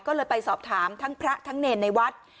ก็เลยไปสอบถามทั้งพระทั้งเนรในวัด